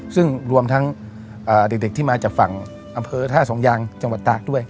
ซึ่งรวมทั้งเด็กที่มาจากฝั่งอำเภอท่าสองยางจังหวัดตากด้วย